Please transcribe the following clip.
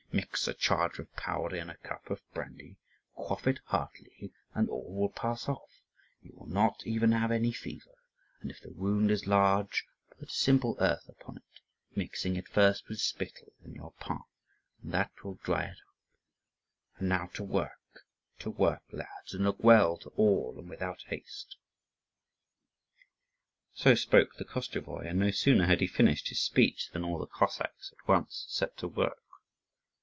Mix a charge of powder in a cup of brandy, quaff it heartily, and all will pass off you will not even have any fever; and if the wound is large, put simple earth upon it, mixing it first with spittle in your palm, and that will dry it up. And now to work, to work, lads, and look well to all, and without haste." (3) The Cossack waggons have their axles smeared with tar instead of grease. So spoke the Koschevoi; and no sooner had he finished his speech than all the Cossacks at once set to work.